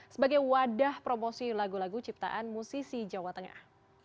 sebagai wadah promosi lagu lagu ciptaan musisi jawa tengah